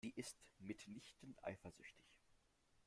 Sie ist mitnichten eifersüchtig.